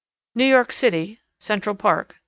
New York City (Central Park). Dec.